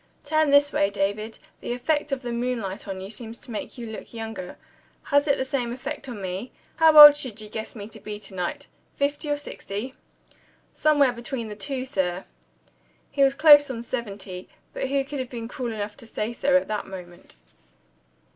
"Turn this way, David. The effect of the moonlight on you seems to make you look younger. Has it the same effect on me? How old should you guess me to be to night? Fifty or sixty?" "Somewhere between the two, sir." (He was close on seventy. But who could have been cruel enough to say so, at that moment?)